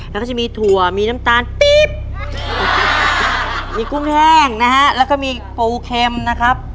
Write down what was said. แล้วก็จะมีถั่วมีน้ำตาลติ๊บมีกุ้งแห้งนะฮะแล้วก็มีปูเข็มนะครับ